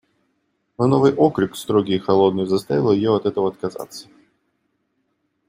Но новый окрик, строгий и холодный, заставил ее от этого отказаться.